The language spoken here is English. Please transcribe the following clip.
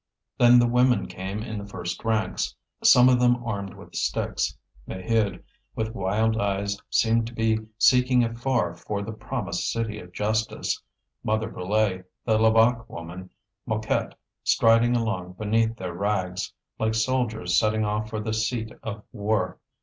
Then the women came in the first ranks, some of them armed with sticks: Maheude, with wild eyes seemed to be seeking afar for the promised city of justice, Mother Brulé, the Levaque woman, Mouquette, striding along beneath their rags, like soldiers setting out for the seat of war.